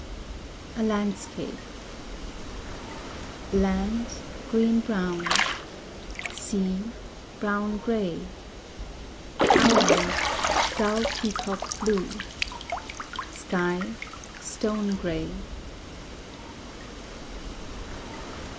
A Landscape Land, green brown; Sea, brown grey; Island, dull peacock blue; Sky, stone grey.